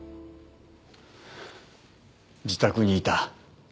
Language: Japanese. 自宅にいた。